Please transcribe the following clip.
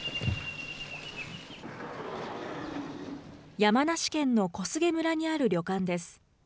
山梨県の小菅村にある旅館です。